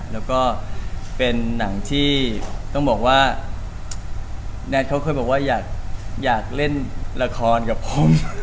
แล้วก็เป็นหนังที่ต้องบอกว่าแน็ตเขาเคยบอกว่าอยากเล่นละครกับผม